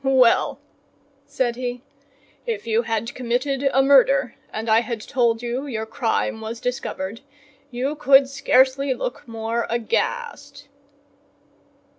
"Well," said he, "if you had committed a murder, and I had told you your crime was discovered, you could scarcely look more aghast."